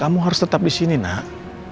kamu harus tetap disini nak